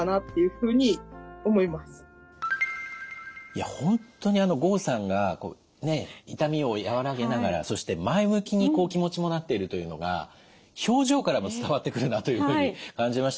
いや本当に郷さんが痛みを和らげながらそして前向きにこう気持ちもなっているというのが表情からも伝わってくるなというふうに感じましたけれども。